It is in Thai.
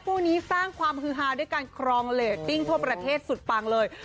คู่นี้สร้างความฮือฮาด้วยการครองเลตติ้งทั่วประเทศสุดปังเลย